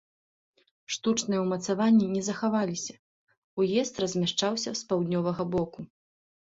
Штучныя ўмацаванні не захаваліся, уезд размяшчаўся з паўднёвага боку.